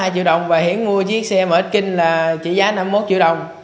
sáu mươi hai triệu đồng và hiển mua chiếc xe mở ít kinh là chỉ giá năm mươi một triệu đồng